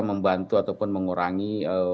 membantu ataupun mengurangi